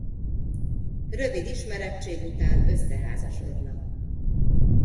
Rövid ismertség után összeházasodnak.